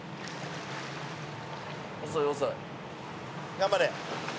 頑張れ。